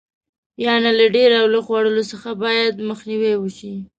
یعنې له ډېر او لږ خوړلو څخه باید مخنیوی وشي.